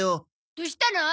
どしたの？